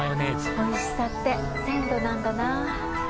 おいしさって鮮度なんだな。